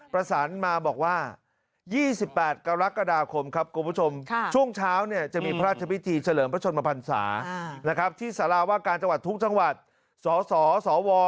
ประศานมาบอกว่านะครับ